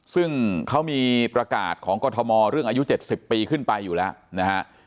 ซึ่งเขามีประกาศของกรทมเรื่องอายุ๗๐ปีขึ้นไปอยู่แล้วนะฮะ